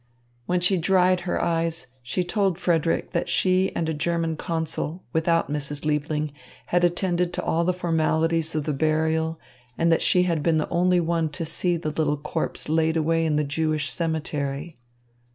When she dried her eyes, she told Frederick that she and a German consul, without Mrs. Liebling, had attended to all the formalities of the burial and that she had been the only one to see the little corpse laid away in the Jewish cemetery.